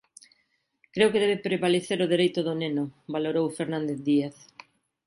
Creo que debe prevalecer o dereito do neno, valorou Fernández Díaz.